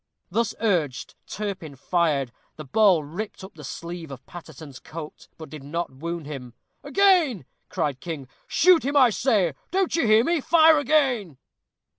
Thus urged, Turpin fired. The ball ripped up the sleeve of Paterson's coat, but did not wound him. "Again!" cried King. "Shoot him, I say. Don't you hear me? Fire again!"